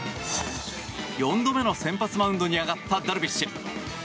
４度目の先発マウンドに上がったダルビッシュ。